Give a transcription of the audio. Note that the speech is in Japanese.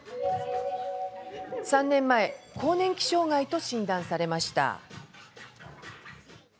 ３年前、更年期障害と診断されました。